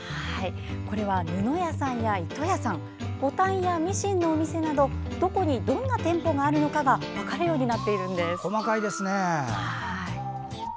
これは布屋さんや糸屋さんボタンやミシンのお店などどこにどんな店舗があるのかが分かるようになっているんです。